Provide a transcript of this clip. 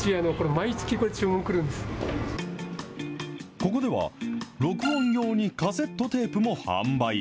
ここでは、録音用にカセットテープも販売。